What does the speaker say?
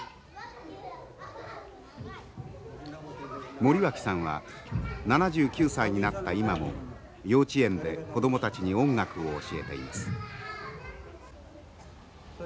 森脇さんは７９歳になった今も幼稚園で子供たちに音楽を教えています。